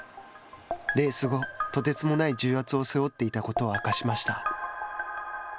レース後、とてつもない重圧を背負っていたことを明かしました。